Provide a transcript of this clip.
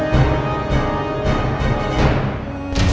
masuk masuk masuk